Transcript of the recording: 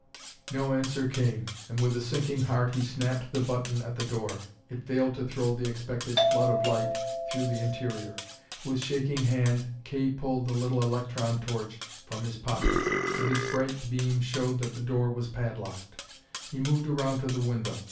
No answer came, and with a sinking heart he snapped the button at the door. It failed to throw the expected flood of light through the interior. With shaking hand Kay pulled the little electron torch from his pocket, and its bright beam showed that the door was padlocked. He moved round to the window.